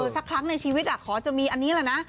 สักครั้งในชีวิตขอจะมีอันนี้แหละนะ